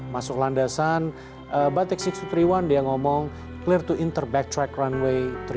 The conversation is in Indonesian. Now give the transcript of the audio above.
masuk landasan batik enam ribu dua ratus tiga puluh satu dia ngomong clear to enter backtrack runway tiga puluh tiga